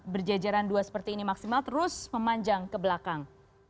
berjejaran dua seperti ini maksimal terus memanjang ke belakang